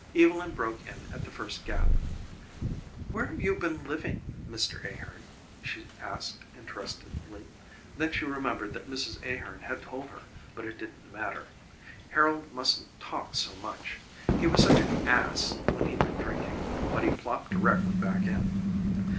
Evylyn broke in at the first gap. "Where've you been living, Mr. Ahearn?" she asked interestedly. Then she remembered that Mrs. Ahearn had told her, but it didn't matter. Harold mustn't talk so much. He was such an ASS when he'd been drinking. But he plopped directly back in.